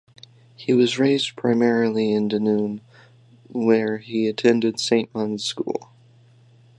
He was raised primarily in Dunoon where he attended Saint Mun's School.